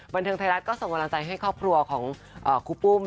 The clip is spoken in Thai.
บันเทิงไทยรัฐก็ส่งกำลังใจให้ครอบครัวของครูปุ้ม